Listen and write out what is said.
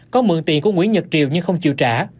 có mượn tiền của nguyễn nhật triều nhưng không chịu trả